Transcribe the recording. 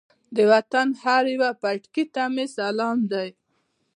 د وطن هر یوه پټکي ته مې سلام دی.